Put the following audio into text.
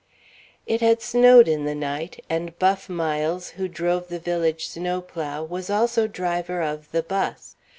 It had snowed in the night, and Buff Miles, who drove the village snowplow, was also driver of "the 'bus."